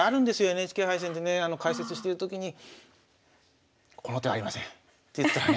ＮＨＫ杯戦でね解説してるときに「この手はありません」って言ったらね